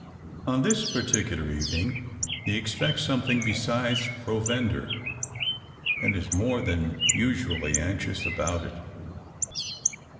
On this particular evening he expects something besides provender, and is more than usually anxious about it.